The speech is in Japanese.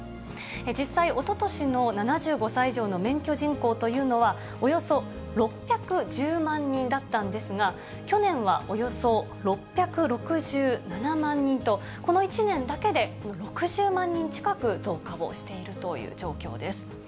実際、おととしの７５歳以上の免許人口というのは、およそ６１０万人だったんですが、去年はおよそ６６７万人と、この１年だけで６０万人近く増加をしているという状況です。